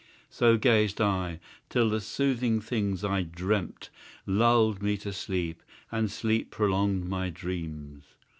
So gazed I, till the soothing things, I dreamt, Lulled me to sleep, and sleep prolonged my dreams!